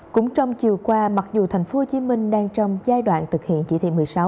cũng trong chiều qua mặc dù tp hcm đang trong giai đoạn thực hiện chỉ thị một mươi sáu